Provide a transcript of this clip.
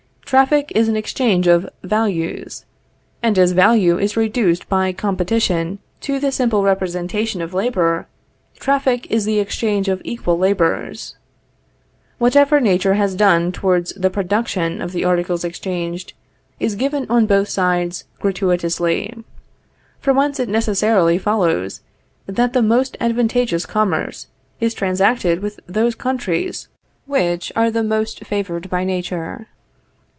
Traffic is an exchange of values; and as value is reduced by competition to the simple representation of labor, traffic is the exchange of equal labors. Whatever Nature has done towards the production of the articles exchanged, is given on both sides gratuitously; from whence it necessarily follows, that the most advantageous commerce is transacted with those countries which are the most favored by Nature.